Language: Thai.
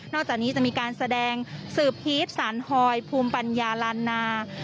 อกจากนี้จะมีการแสดงสืบฮีตสารฮอยภูมิปัญญาลานนา